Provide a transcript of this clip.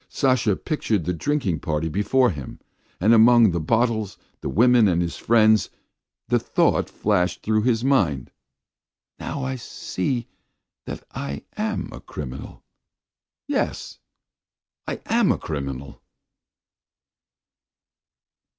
Sasha pictured the drinking party before him, and, among the bottles, the women, and his friends, the thought flashed through his mind: "Now I see that I am a criminal; yes, I am a criminal."